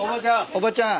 おばちゃん。